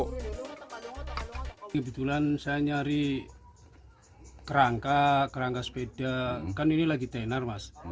kebetulan saya nyari kerangka kerangka sepeda kan ini lagi tenar mas